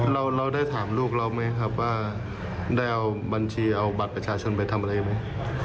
เราได้ถามลูกเราไหมครับว่าได้เอาบัญชีเอาบัตรประชาชนไปทำอะไรไหม